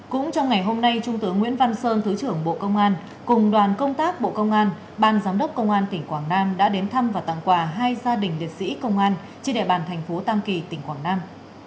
cũng trong ngày hôm nay trung tướng nguyễn văn sơn thứ trưởng bộ công an cùng đoàn công tác bộ công an ban giám đốc công an tỉnh quảng nam đã đến thăm và tặng quà hai gia đình liệt sĩ công an trên địa bàn thành phố tam kỳ tỉnh quảng nam